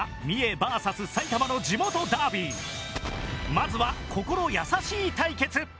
まずは「心優しい」対決。